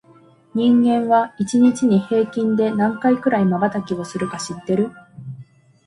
人間は、一日に平均で何回くらいまばたきをするか知ってる？